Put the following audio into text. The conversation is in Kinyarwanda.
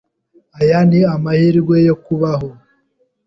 Aya ni amahirwe yo kubaho.